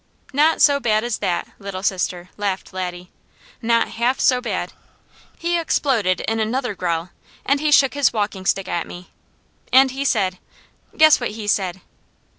"Not so bad as that, Little Sister," laughed Laddie. "Not half so bad! He exploded in another growl, and he shook his walking stick at me, and he said guess what he said."